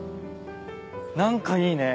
何かいいね。